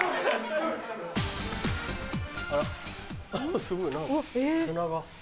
あらすごい砂が。